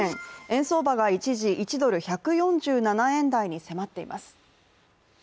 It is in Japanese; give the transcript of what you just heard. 円相場が一時、１ドル＝１４７円台に迫っています。